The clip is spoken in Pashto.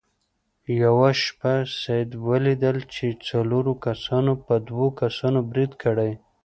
یوه شپه سید ولیدل چې څلورو کسانو په دوو کسانو برید کړی.